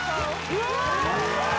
うわ！